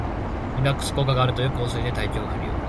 リラックス効果があるという香水で体調不良